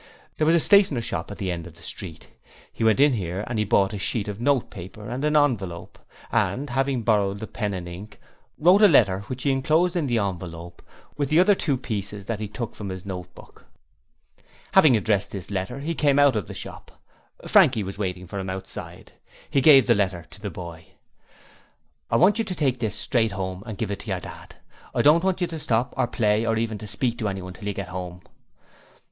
There was a stationer's shop at the end of the street. He went in here and bought a sheet of notepaper and an envelope, and, having borrowed the pen and ink, wrote a letter which he enclosed in the envelope with the two other pieces that he took out of his pocketbook. Having addressed the letter he came out of the shop; Frankie was waiting for him outside. He gave the letter to the boy. 'I want you to take this straight home and give it to your dad. I don't want you to stop to play or even to speak to anyone till you get home.'